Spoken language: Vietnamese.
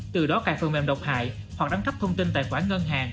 từ đó cài phần mềm độc hại hoặc đăng cấp thông tin tài khoản ngân hàng